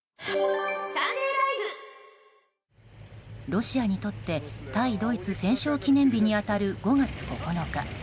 ロシアにとって対ドイツ戦勝記念日に当たる５月９日。